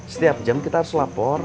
setiap jam kita harus lapor